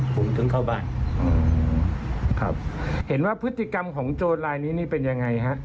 ผมถึงเข้าบ้านครับเห็นว่าพฤติกรรมของโจรลายนี้นี่เป็นยังไงฮะ